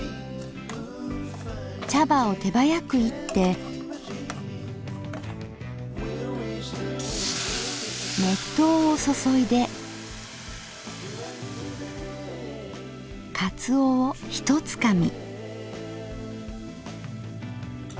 茶葉を手早く炒って熱湯を注いでかつおをひとつかみ。